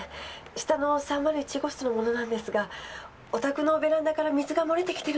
下の３０１号室の者なんですがお宅のベランダから水が漏れてきてるんです。